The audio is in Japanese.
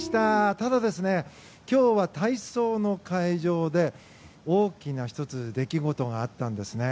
ただ、今日は体操の会場で大きな出来事が１つあったんですね。